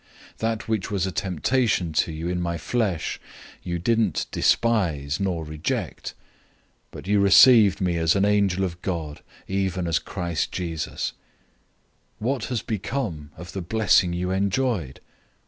004:014 That which was a temptation to you in my flesh, you didn't despise nor reject; but you received me as an angel of God, even as Christ Jesus. 004:015 What was the blessing you enjoyed?